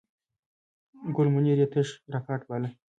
ګل منیر یې تش راکات باله.